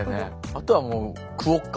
あとはもうクオッカ。